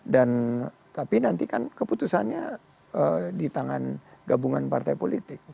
dan tapi nanti kan keputusannya di tangan gabungan partai politik